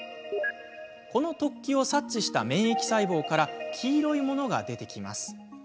この突起を察知した免疫細胞から黄色いものが出てきます。